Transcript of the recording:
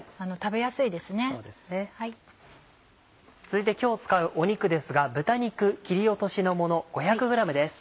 続いて今日使う肉ですが豚肉切り落としのもの５００ｇです。